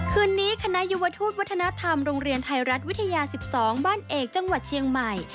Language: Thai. คืนนี้คณะยุวทูตวัฒนธรรมโรงเรียนไทยรัฐวิทยา๑๒บ้านเอกจังหวัดเชียงใหม่